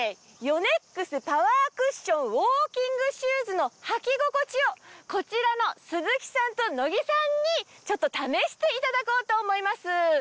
ヨネックスパワークッションウォーキングシューズの履き心地をこちらの鈴木さんと乃木さんにちょっと試していただこうと思います。